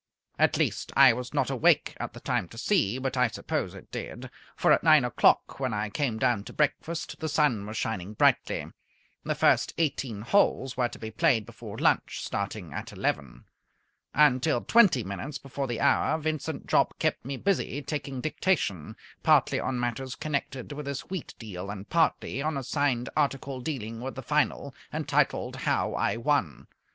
At least, I was not awake at the time to see, but I suppose it did; for at nine o'clock, when I came down to breakfast, the sun was shining brightly. The first eighteen holes were to be played before lunch, starting at eleven. Until twenty minutes before the hour Vincent Jopp kept me busy taking dictation, partly on matters connected with his wheat deal and partly on a signed article dealing with the Final, entitled "How I Won."